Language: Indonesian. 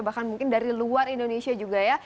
bahkan mungkin dari luar indonesia juga ya